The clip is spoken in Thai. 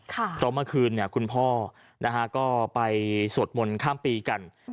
ตอนเมื่อคืนคุณพ่อก็ไปสวดหมนข้ามปีกัน